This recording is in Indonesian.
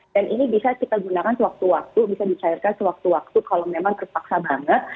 dan ini bisa kita gunakan sewaktu waktu bisa dicairkan sewaktu waktu kalau memang terpaksa banget